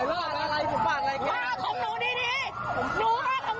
รู้แม่งกับหนูดี